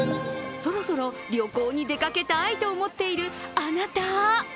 そろそろ旅行に出かけたいと思っているあなた。